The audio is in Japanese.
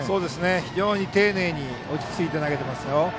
非常に丁寧に落ち着いて投げていますよ。